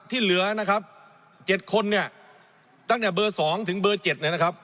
ที่เหลือนะครับเจ็ดคนเนี่ยตั้งแต่เบอร์สองถึงเบอร์เจ็ดเนี่ยนะครับ